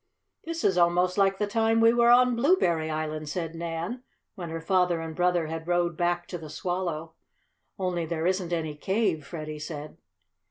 "This is almost like the time we were on Blueberry Island," said Nan, when her father and brother had rowed back to the Swallow. "Only there isn't any cave," Freddie said.